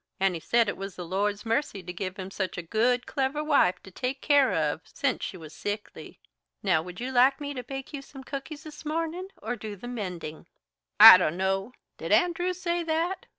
And he said it was the Lord's mercy to give him such a good, clever wife to take care of since she was sickly. Now, would you like me to bake you some cookies this morning, or do the mending?" "I don't know. Did Andrew say that?